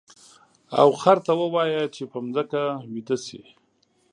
او خر ته ووایه چې په ځمکه ویده شي.